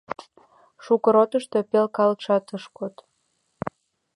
Шуко ротышто пел калыкшат ыш код.